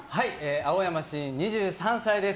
青山新、２３歳です。